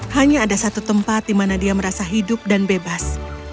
hanya ada satu tempat di mana dia merasa hidup dan bebas